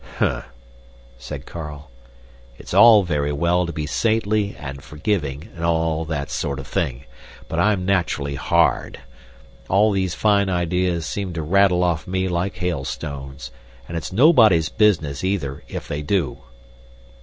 "Humph!" said Carl. "It's all very well to be saintly and forgiving, and all that sort of thing, but I'm naturally hard. All these fine ideas seem to rattle off me like hailstones and it's nobody's business, either, if they do."